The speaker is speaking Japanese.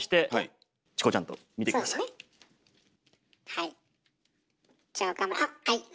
はい。